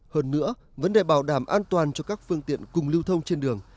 hơn nữa vấn đề bảo đảm an toàn cho các phương tiện cùng lưu thông trên đường